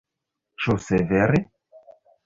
Ĉu severe?